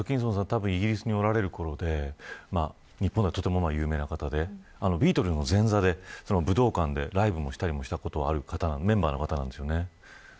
たぶんイギリスにおられるころで日本ではとても有名な方でビートルズの前座で武道館でライブをしたりしたことのあるメンバーの方なんですよね。